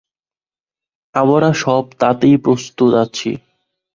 আমরা সব-তাতেই প্রস্তুত আছি।